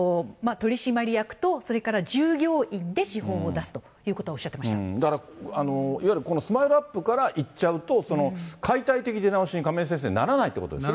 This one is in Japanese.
取締役と、それから従業員で資本を出すということをおっしゃってだから、いわゆるこのスマイルアップからいっちゃうと、解体的出直しに亀井先生、ならないということですよね。